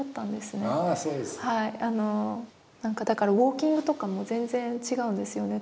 だからウォーキングとかも全然違うんですよね